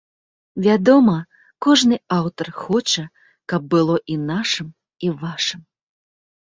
Вядома, кожны аўтар хоча каб было і нашым і вашым.